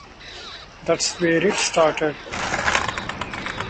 That's where it started.